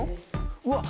うわっ